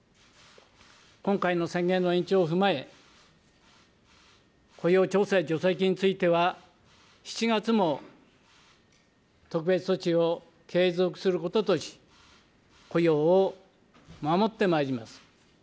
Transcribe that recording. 今回の宣言の延長を踏まえ、雇用調整助成金については、７月も特別措置を継続することとし、雇用を守ってまいります。